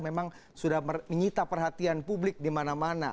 memang sudah menyita perhatian publik di mana mana